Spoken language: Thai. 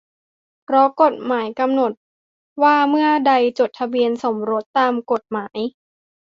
เพราะกฎหมายกำหนดว่าเมื่อได้จดทะเบียนสมรสตามกฎหมาย